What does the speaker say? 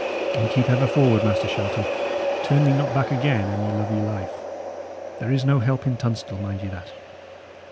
And keep ever forward, Master Shelton; turn me not back again, an ye love your life; there is no help in Tunstall, mind ye that.